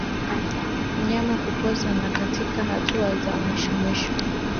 Mnyama kupooza katika hatua za mwishomwisho ni dalili ya ugonjwa wa ndorobo